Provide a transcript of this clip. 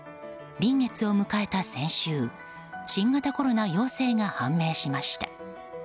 臨月を迎えた先週新型コロナ陽性が判明しました。